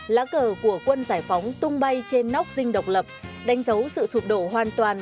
lá cờ của quân giải phóng tung bay trên nóc dinh độc lập đánh dấu sự sụp đổ hoàn toàn